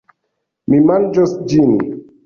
Mi manĝos ĝin.